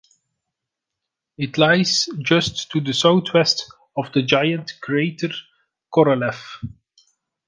It lies just to the southwest of the giant crater Korolev.